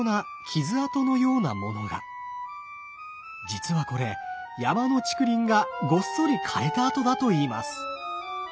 実はこれ山の竹林がごっそり枯れた跡だといいます。